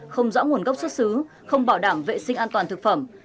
không rõ nguồn gốc xuất xứ không bảo đảm vệ sinh an toàn thực phẩm